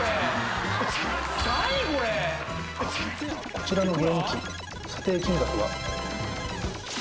こちらのゲーム機査定金額は。